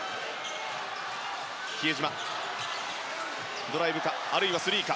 比江島ドライブかあるいはスリーか。